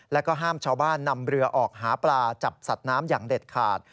แล้วก็ห้ามชาวบ้านนำเรือออกหาปลาจับสัตว์น้ำอย่างเด็ดขาด